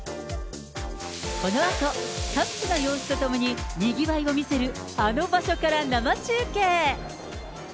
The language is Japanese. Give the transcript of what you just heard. このあと各地の様子とともににぎわいを見せるあの場所から生中継。